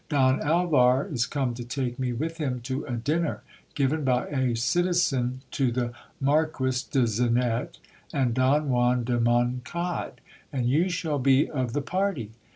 Don Alvar is come to take me with him to a dinner, given by a citizen to the Marquis de Zenette and Don Juan de Moncade ; and you shall be of the party.